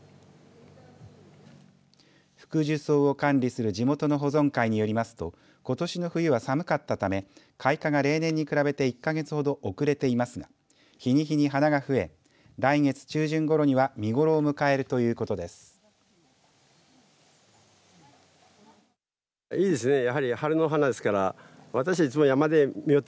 フクジュソウを管理する地元の保存会によりますとことしの冬は寒かったため開花が例年に比べて１か月ほど遅れていますが日に日に花が増え来月中旬ごろには見頃を迎えるということです。